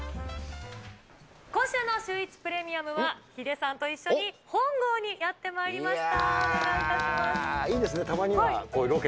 今週のシューイチプレミアムは、ヒデさんと一緒に本郷にやってまいりました。